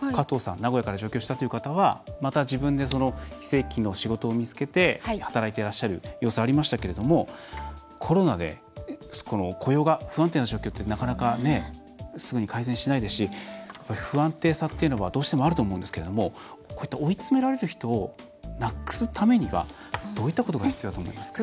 名古屋から上京したという方は自分で非正規の仕事を見つけて働いていらっしゃる様子がありましたけど、コロナで雇用が不安定な状況ってすぐに改善しないですし不安定さというのはどうしてもあると思うんですけれどもこういった追い詰められる人をなくすためにはどういったことが必要だと思いますか？